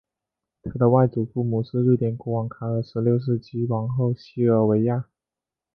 他的外祖父母是瑞典国王卡尔十六世及王后西尔维娅。